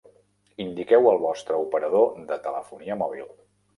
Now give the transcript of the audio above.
Indiqueu el vostre operador de telefonia mòbil.